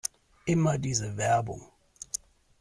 Immer diese Werbung!